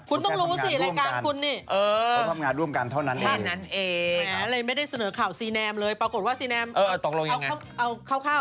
ก็คือสรุปว่าเค้าไม่ได้จิ้นกันไม่ได้คบกันนะครับ